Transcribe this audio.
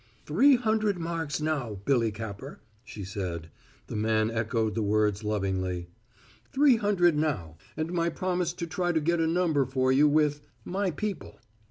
"Three hundred marks now, Billy Capper," she said. The man echoed the words lovingly. "Three hundred now, and my promise to try to get a number for you with my people.